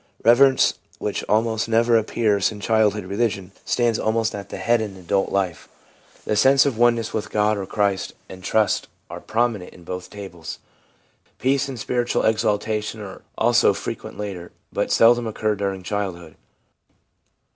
Reverence, which almost never appears in ADULT LIFE— RELIGIOUS FEELINGS 333 childhood religion, stands almost at the head in adult life. The sense of oneness with God or Christ and trust are prominent in both tables. Peace and spiritual exultation are also frequent later, but seldom occur during childhood.